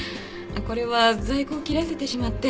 これは在庫を切らせてしまって。